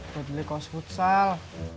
buat beli kaos futsal